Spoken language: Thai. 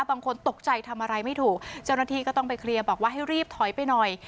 บางคนตกใจทำอะไรไม่ถูกเจ้าหน้าที่ก็ต้องไปเคลียร์บอกว่าให้รีบถอยไปหน่อย